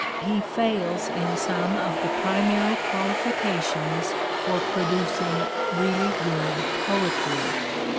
He fails in some of the primary qualifications for producing really good poetry.